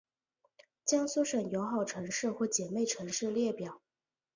江苏省友好城市或姐妹城市列表